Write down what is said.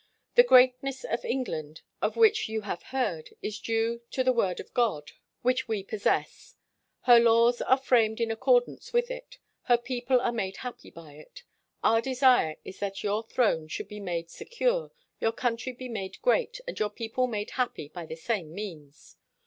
"The greatness of England, of which you have heard, is due to the Word of God 77 WHITE MAN OF WORK which we possess; her laws are framed in accordance with it; her people are made happy by it. Our desire is that your throne should be made secure , your country be made great, and your people made happy by the same means.